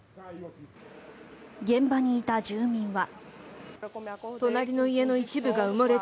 現場にいた住民は。